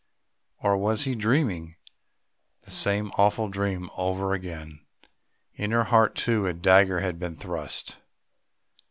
or was he dreaming the same awful dream over again?... in her heart, too, a dagger had been thrust!